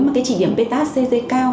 mà cái chỉ điểm bêta hcg cao